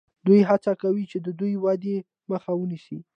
دوی هڅه کوي چې د دې ودې مخه ونیسي.